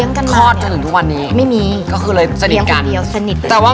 ตั้งแต่ทุกวันนี้เค้าเลี้ยงกันมา